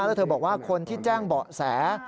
แล้วเธอบอกว่าคนที่แจ้งเบาะแส